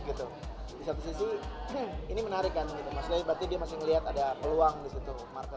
di satu sisi ini menarik kan berarti dia masih melihat ada peluang di situ